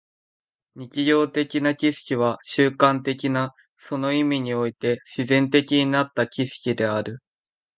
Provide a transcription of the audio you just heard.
日常的な知識は習慣的な、その意味において自然的になった知識である。